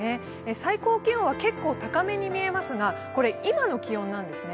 最高気温は結構高めに見えますが、これ今の気温なんですね。